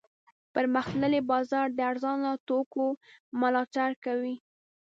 پرمختللی بازار د ارزانه توکو ملاتړ کوي.